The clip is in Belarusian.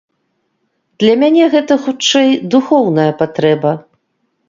Для мяне гэта, хутчэй, духоўная патрэба.